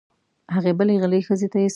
هغې بلې غلې ښځې ته یې سزا وټاکله.